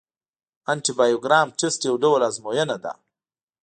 انټي بایوګرام ټسټ یو ډول ازموینه ده.